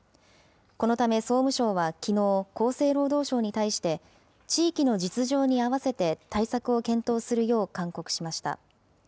このため、総務省はきのう、厚生労働省に対して、地域の実情に合わせて対策を検討するよう勧告しました。